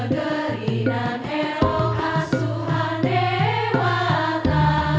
negeri nan elok asuhan dewata